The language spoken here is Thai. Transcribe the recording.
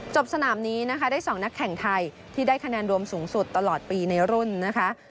สนามนี้นะคะได้๒นักแข่งไทยที่ได้คะแนนรวมสูงสุดตลอดปีในรุ่นนะคะ